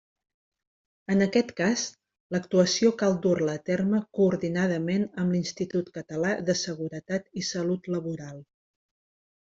En aquest cas, l'actuació cal dur-la a terme coordinadament amb l'Institut Català de Seguretat i Salut Laboral.